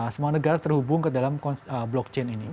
semua negara terhubung ke dalam blockchain ini